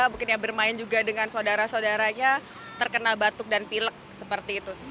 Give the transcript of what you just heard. mungkin yang bermain juga dengan saudara saudaranya terkena batuk dan pilek seperti itu